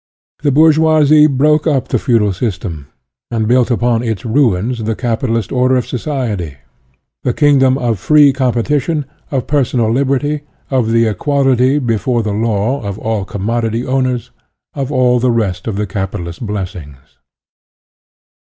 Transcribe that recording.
The bourgeoisie broke up the feudal system and built upon its ruins the capitalist order of society, the kingdom of free competition, of personal liberty, of the equality, before the law, of all commodity owners, of all the rest of the capitalist blessings.